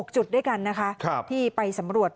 จุดด้วยกันนะคะที่ไปสำรวจ